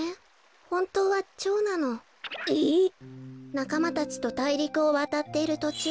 なかまたちとたいりくをわたっているとちゅう